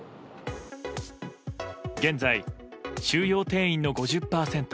現在、収容定員の５０％